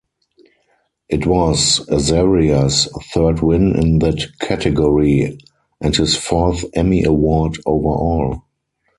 It was Azaria's third win in that category and his fourth Emmy Award overall.